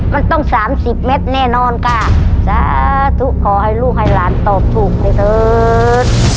มันต้องสามสิบเมตรแน่นอนค่ะสาธุขอให้ลูกให้หลานตอบถูกเลยเถิด